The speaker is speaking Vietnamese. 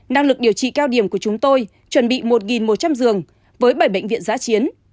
năng lực điều trị cao điểm của chúng tôi chuẩn bị một một trăm linh giường với bảy bệnh viện giã chiến